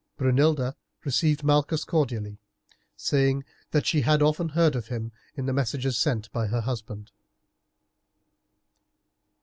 Brunilda received Malchus cordially, saying that she had often heard of him in the messages sent by her husband.